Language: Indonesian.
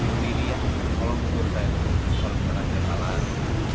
saya tidak apa apa malah saya harus diberi yang terkontrol dan mencari penanganan